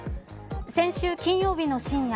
先週金曜日の深夜